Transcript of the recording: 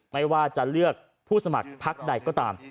ไม่ว่าจะเลือกผู้สมัครพักใดก็ตาม